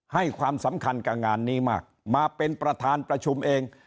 ให้ความสำคัญกับงานนี้มากมาเป็นประธานประชุมเอง